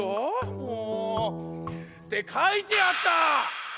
もう。ってかいてあった！